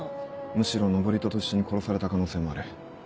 むしろ登戸と一緒に殺された可能性もある。